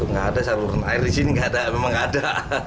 nggak ada saluran air disini memang nggak ada